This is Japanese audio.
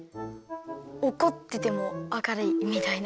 おこっててもあかるいみたいな？